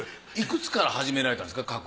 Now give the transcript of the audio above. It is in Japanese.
いくつから始められたんですか？